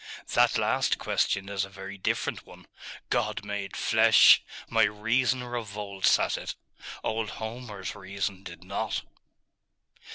'That last question is a very different one. God made flesh! My reason revolts at it.' 'Old Homer's reason did not.